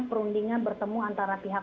perundingan bertemu antara pihak